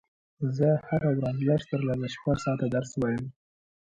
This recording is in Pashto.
زه هره ورځ لږ تر لږه شپږ ساعته درس وایم